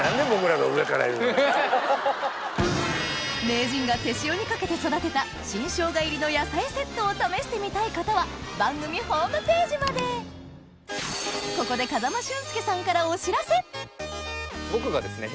名人が手塩にかけて育てた新ショウガ入りの野菜セットを試してみたい方は番組ホームページまでここで僕がですね